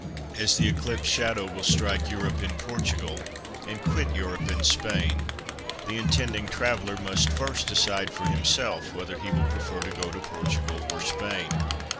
As the Eclipse shadow will strike Europe in Portugal and quit Europe in Spain the intending traveller must first decide for himself whether he will prefer to go to Portugal or Spain.